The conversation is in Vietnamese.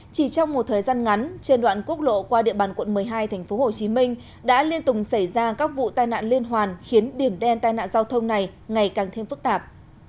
chỉ trong một thời gian ngắn trên đoạn quốc lộ qua địa bàn quận một mươi hai tp hcm đã liên tục xảy ra các vụ tai nạn liên hoàn khiến điểm đen tai nạn giao thông này ngày càng thêm phức tạp